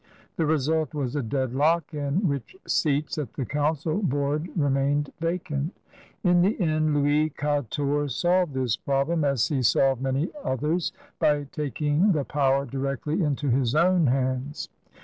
The result was a deadlock in which seats at the council board remained vacant. In the end Louis Quatorze solved this problem^ as he solved many others, by taking the power directly into his own hands.